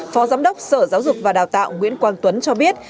phó giám đốc sở giáo dục và đào tạo nguyễn quang tuấn cho biết